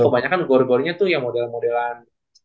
kebanyakan gore gore nya tuh yang modelan modelan